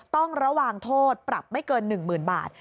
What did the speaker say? ต้องระวังโทษปรับไม่เกิน๑๐๐๐บาท